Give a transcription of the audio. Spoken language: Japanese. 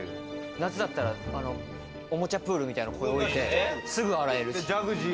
夏だったら、オモチャプールみたいなの、ここに置いてすぐ洗えるし。